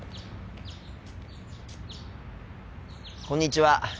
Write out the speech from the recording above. こんにちは。